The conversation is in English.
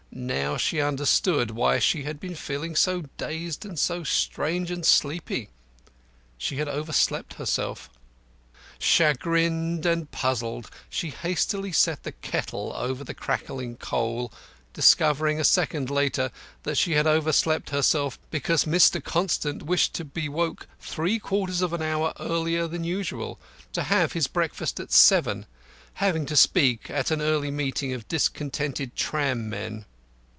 Now she understood why she had been feeling so dazed and strange and sleepy. She had overslept herself. Chagrined and puzzled, she hastily set the kettle over the crackling coal, discovering a second later that she had overslept herself because Mr. Constant wished to be woke three quarters of an hour earlier than usual, and to have his breakfast at seven, having to speak at an early meeting of discontented tram men.